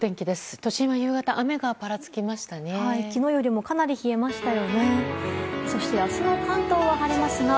都心は夕方雨がぱらつきましたね。